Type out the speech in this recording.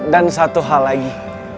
dan satu hal lagi